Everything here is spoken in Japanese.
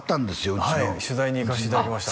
うちの取材に行かせていただきました